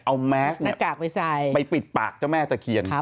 เอาแม็กซ์ไปปิดปากเจ้าแม่ตะเคียน